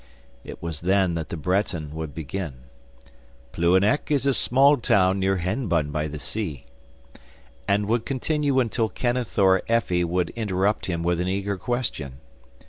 It was then that the Breton would begin: 'Plouhinec is a small town near Hennebonne by the sea,' and would continue until Kenneth or Effie would interrupt him with an eager question.